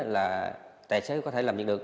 là tài xế có thể làm việc được